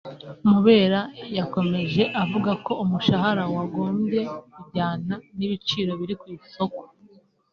Mubera yakomeje avuga ko umushahara wagombye kujyana n’ibiciro biri ku isoko